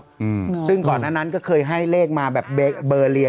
อือแหมซึ่งก่อนอันนั้นก็เคยให้เลขมาแบบเบบเเลย